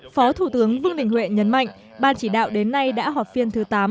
phó thủ tướng vương đình huệ nhấn mạnh ban chỉ đạo đến nay đã họp phiên thứ tám